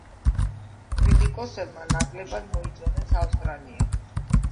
კრიტიკოსებმა ნაკლებად მოიწონეს „ავსტრალია“.